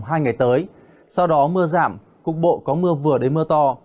trong vòng hai ngày tới sau đó mưa giảm cục bộ có mưa vừa đến mưa to